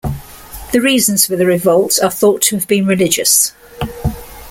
The reasons for the revolt are thought to have been religious.